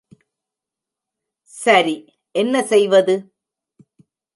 சரி, என்ன செய்வது?